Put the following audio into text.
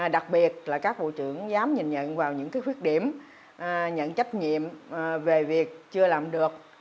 đặc biệt là các bộ trưởng dám nhìn nhận vào những khuyết điểm nhận trách nhiệm về việc chưa làm được